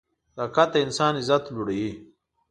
صداقت د انسان عزت لوړوي.